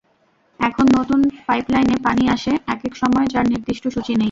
এখন নতুন পাইপলাইনে পানি আসে একেক সময়, যার নির্দিষ্ট সূচি নেই।